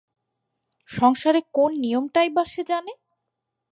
সংসারে কোন নিয়মটাই বা সে জানে?